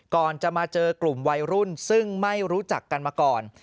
ก่อนจะมาเจอกลุ่มวัยรุ่นซึ่งไม่รู้จักกันมาก่อน